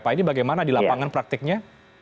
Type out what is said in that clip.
pak ini bagaimana di lapangan praktiknya